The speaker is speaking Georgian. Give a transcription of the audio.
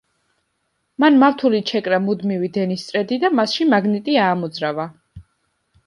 მან მავთულით შეკრა მუდმივი დენის წრედი და მასში მაგნიტი აამოძრავა.